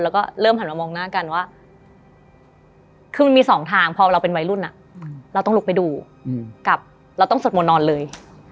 แล้วก็เริ่มหันมามองหน้ากันว่าคือมันมีสองทางพอเราเป็นวัยรุ่นเราต้องลุกไปดูกับเราต้องสวดมนต์นอนเลย